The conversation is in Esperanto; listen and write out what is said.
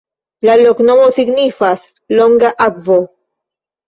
La loknomo signifas: longa-akvo.